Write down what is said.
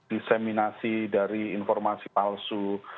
diseminasi dari informasi palsu